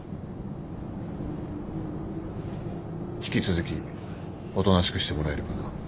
引き続きおとなしくしてもらえるかな。